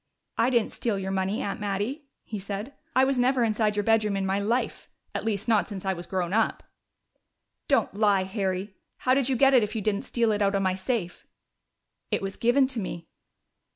"I didn't steal your money, Aunt Mattie," he said. "I was never inside your bedroom in my life at least, not since I was grown up!" "Don't lie, Harry! How did you get it if you didn't steal it out of my safe?" "It was given to me."